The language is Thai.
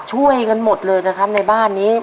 ช่วยกันหมดเลยนะครับในบ้านนี้